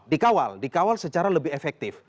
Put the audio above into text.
dikawal dikawal secara lebih efektif